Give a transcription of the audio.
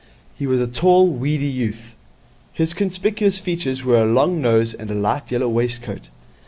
He was a tall, weedy youth. His conspicuous features were a long nose and a light yellow waistcoat.